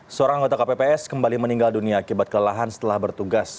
seorang anggota kpps kembali meninggal dunia akibat kelelahan setelah bertugas